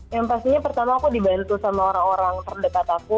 yang pastinya pertama aku dibantu sama orang orang terdekat aku